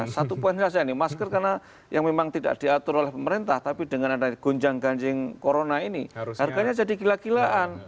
satu poinnya saya ini masker karena yang memang tidak diatur oleh pemerintah tapi dengan ada gonjang ganjing corona ini harganya jadi gila gilaan